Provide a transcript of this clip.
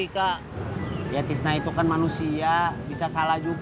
tapi gak pantas